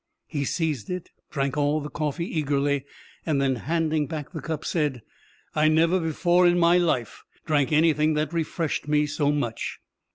He seized it, drank all of the coffee eagerly, and then handing back the cup, said: "I never before in my life drank anything that refreshed me so much."